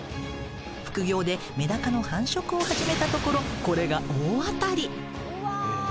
副業でメダカの繁殖を始めたところこれが大当たり。